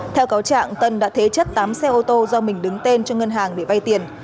theo cáo trạng tân đã thế chất tám xe ô tô do mình đứng tên cho ngân hàng để vay tiền